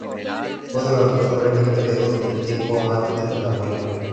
Fue durante un breve periodo de tiempo, amante de Napoleón.